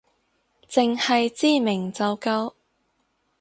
淨係知名就夠